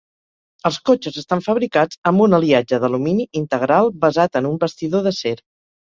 Els cotxes estan fabricats amb un aliatge d'alumini integral basat en un bastidor d'acer.